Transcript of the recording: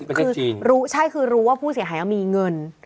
ประเทศจีนคือรู้ใช่คือรู้ว่าผู้เสียหายมีเงิน